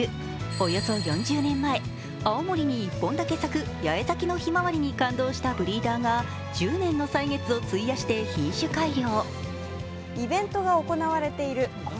およそ４０年前、青森に１本だけ咲く八重咲きのひまわりに感動したブリーダーが１０年の歳月を費やして品種改良。